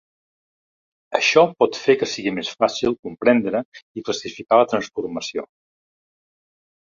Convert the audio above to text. Això pot fer que sigui més fàcil comprendre i classificar la transformació.